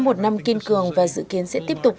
một năm kiên cường và dự kiến sẽ tiếp tục